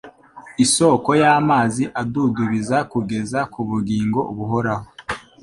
“isoko y’amazi adudubiza kugeza mu bugingo buhoraho